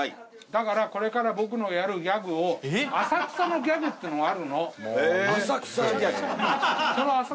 だからこれから僕のやるギャグを浅草のギャグってのがあるの。